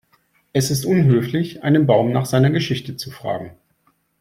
Es ist unhöflich, einen Baum nach seiner Geschichte zu fragen.